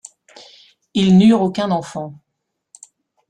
Ils n'eurent aucun enfant.